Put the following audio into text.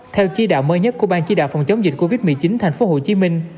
theo chỉ đạo mới nhất của ban chỉ đạo phòng chống dịch covid một mươi chín thành phố hồ chí minh